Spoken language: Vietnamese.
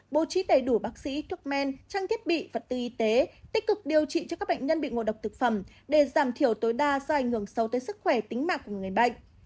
bố trí đầy đủ bác sĩ thuốc men trang thiết bị vật tư y tế tích cực điều trị cho các bệnh nhân bị ngộ độc thực phẩm để giảm thiểu tối đa do ảnh hưởng sâu tới sức khỏe tính mạng của người bệnh